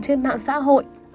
trên mạng xã hội